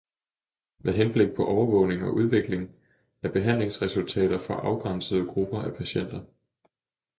med henblik på overvågning og udvikling af behandlingsresultater for afgrænsede grupper af patienter